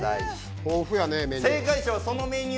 豊富やねメニュー。